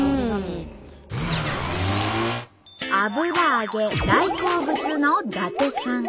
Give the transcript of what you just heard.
油揚げ大好物の伊達さん